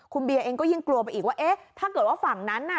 คุณเบียเองก็ยิ่งกลัวไปอีกว่าเอ๊ะถ้าเกิดว่าฝั่งนั้นน่ะ